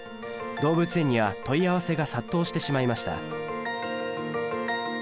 動物園には問い合わせが殺到してしまいました